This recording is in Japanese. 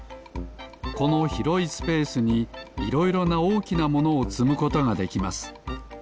このひろいスペースにいろいろなおおきなものをつむことができます。